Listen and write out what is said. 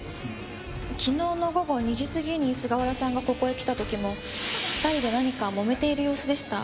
昨日の午後２時過ぎに菅原さんがここへ来た時も２人で何かもめている様子でした。